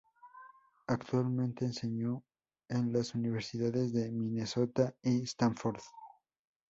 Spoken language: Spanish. Actualmente enseña en las universidades de Minnesota y Stanford.